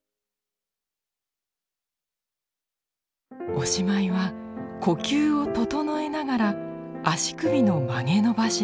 おしまいは呼吸を整えながら足首の曲げ伸ばしです。